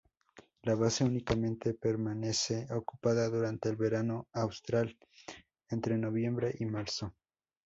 La base únicamente permanece ocupada durante el verano austral, entre noviembre y marzo.